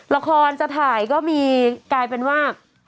ละครจะถ่ายก็มีกลายเป็นว่า